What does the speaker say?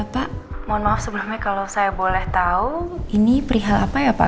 pak mohon maaf sebelumnya kalau saya boleh tahu ini perihal apa ya pak